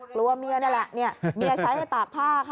กลัวเมียนี่แหละเมียใช้ให้ตากผ้าค่ะ